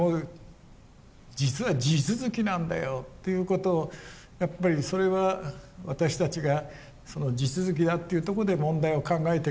実は地続きなんだよっていうことをやっぱりそれは私たちが地続きだっていうところで問題を考えていく。